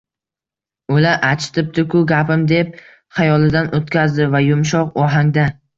«Oʼla, achitibdi-ku, gapim», deb xayolidan oʼtkazdi va yumshoq ohangda: